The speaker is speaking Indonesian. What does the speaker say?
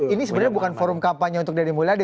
ini sebenarnya bukan forum kampanye untuk deddy mulyadi